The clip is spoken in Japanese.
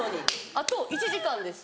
「あと１時間です」